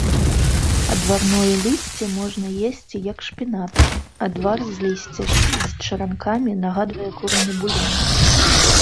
Адварное лісце можна есці як шпінат, адвар з лісця з чаранкамі нагадвае курыны булён.